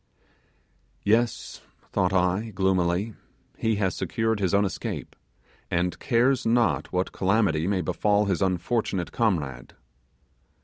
Yes; thought I, gloomily, he has secured his own escape, and cares not what calamity may befall his unfortunate comrade.